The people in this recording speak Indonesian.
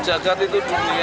jagad itu dunia